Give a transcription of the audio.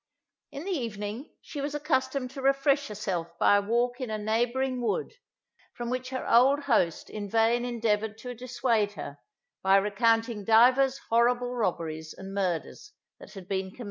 In the evening she was accustomed to refresh herself by a walk in a neighbouring wood, from which her old host in vain endeavoured to dissuade her, by recounting divers horrible robberies and murders that had been committed there.